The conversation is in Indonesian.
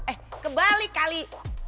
eh kebalik kali